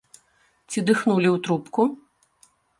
Ці дыхнулі ў трубку?